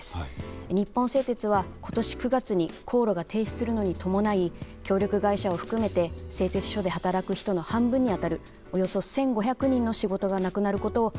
日本製鉄は今年９月に高炉が停止するのに伴い協力会社を含めて製鉄所で働く人の半分にあたるおよそ１，５００人の仕事がなくなることを明らかにしています。